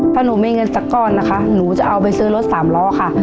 ถ้าหนูมีเงินสักก้อนนะคะหนูจะเอาไปซื้อรถสามล้อค่ะ